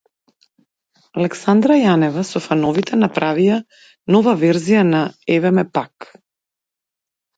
Александра Јанева со фановите направија нова верзија на „Еве ме пак“